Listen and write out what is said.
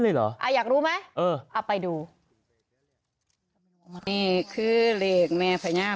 เลยเหรออ่ะอยากรู้ไหมเออเอาไปดูนี่คือเลขแม่ภรรยา